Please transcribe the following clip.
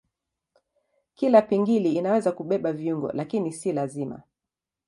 Kila pingili inaweza kubeba viungo lakini si lazima.